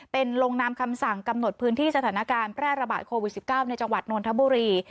เป็นลงนามคำสั่งกำหนดพื้นที่สถานการณ์แพร่ระบาดโควิด๑๙ในจังหวัดนนทบุรี